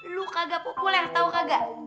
lo kagak pupul yang tau kagak